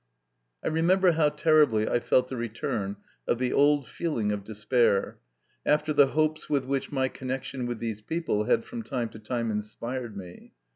I remember how terribly I felt the return of the old feeling of despair, after the hopes with which my connection with these people had from time to time inspired me.